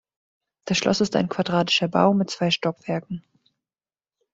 Das Schloss ist ein quadratischer Bau mit zwei Stockwerken.